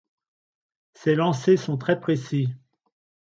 Ses lancers sont très précis.